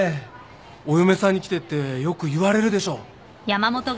お嫁さんに来てってよく言われるでしょ？